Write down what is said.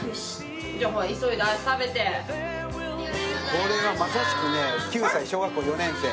これはまさしくね９歳小学校４年生。